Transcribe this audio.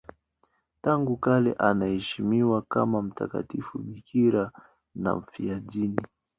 Tangu kale anaheshimiwa kama mtakatifu bikira na mfiadini.